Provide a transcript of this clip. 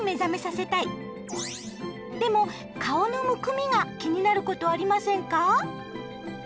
でも顔のむくみが気になることありませんか？